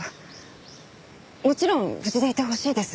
もちろん無事でいてほしいです。